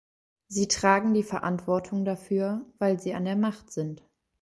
Sie tragen die Verantwortung dafür, weil sie an der Macht sind.